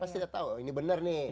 masih udah tahu ini benar nih